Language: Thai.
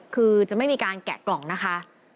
คือจะไม่มีการแกะกล่องนะคะ